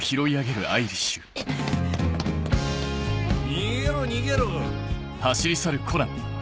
逃げろ逃げろ。